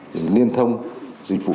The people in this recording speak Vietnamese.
để liên tục tạo ra các dịch vụ công